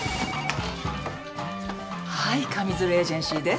はい上水流エージェンシーです。